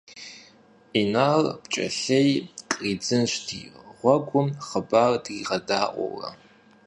Инал пкӀэлъей къридзынщ ди гъуэгум, хъыбар дригъэдаӀуэурэ.